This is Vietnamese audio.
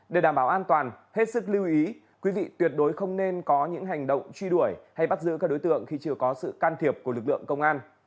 để đảm bảo an toàn hết sức lưu ý quý vị tuyệt đối không nên có những hành động truy đuổi hay bắt giữ các đối tượng khi chưa có sự can thiệp của lực lượng công an